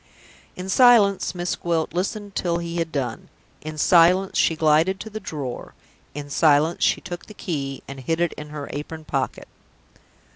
In silence, Miss Gwilt listened till he had done. In silence, she glided to the drawer. In silence, she took the key and hid it in her apron pocket.